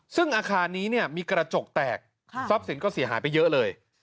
ซึ่งอาคารนี้เนี่ยมีกระจกแตกทรัพย์สินก็เสียหายไปเยอะเลย